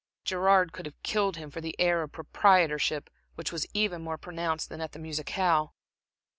Gerard could have killed him for the air of proprietorship which was even more pronounced than at the musicale.